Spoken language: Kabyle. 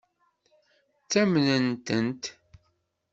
Ttamnen-tent?